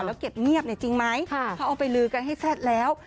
แล้วเก็บเงียบเนี่ยจริงไหมเขาเอาไปลือกันให้แซ่ดแล้ว